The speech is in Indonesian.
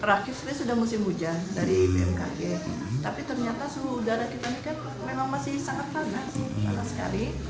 terakhir sudah musim hujan dari bmkg tapi ternyata suhu udara kita ini kan memang masih sangat panas sekali